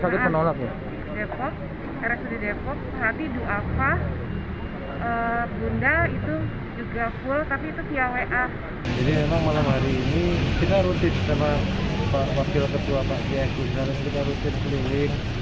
jadi memang malam hari ini kita rutin sama wakil ketua pak kiyaku kita rutin keliling